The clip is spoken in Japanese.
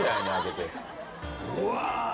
うわ！